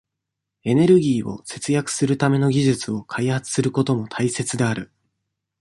エネルギーを節約するための技術を開発することも大切である。